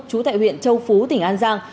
chú tại huyện châu phú tỉnh an giang